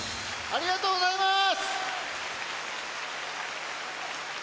ありがとうございます！